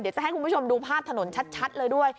จะให้คุณผู้ชมดูภาพถนนชัดเลยด้วย